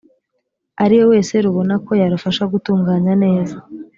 ari we wese rubona ko yarufasha gutunganya neza